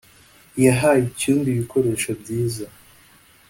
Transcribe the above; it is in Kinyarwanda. yahaye icyumba ibikoresho byiza